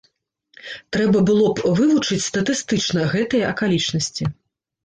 Трэба было б вывучыць статыстычна гэтыя акалічнасці.